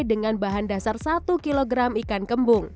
dengan bahan dasar satu kg